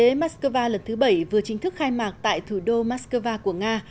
hội nghị an ninh quốc tế moscow lần thứ bảy vừa chính thức khai mạc tại thủ đô moscow của nga